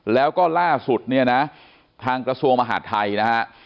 แล้วก็ล่าสุดเนี่ยนะทางกระทรวงมหาดไทยนะฮะ